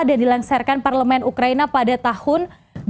dan dilansirkan parlemen ukraina pada tahun dua ribu empat belas